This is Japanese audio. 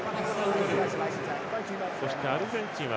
そして、アルゼンチンは